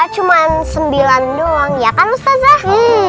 cuma sembilan doang ya kan mustazahi